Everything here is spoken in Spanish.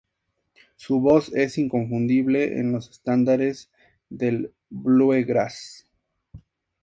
Su voz es inconfundible en los estándares del bluegrass.